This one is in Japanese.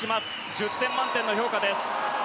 １０点満点の評価です。